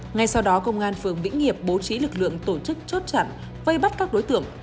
ngay sau đó công an phường vĩnh nghiệp bố trí lực lượng tổ chức chốt chặn vây bắt các đối tượng